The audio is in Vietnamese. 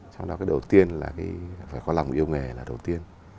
trong đó cái đầu tiên là phải có lòng yêu nghề là đầu tiên